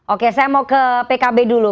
oke saya mau ke pkb dulu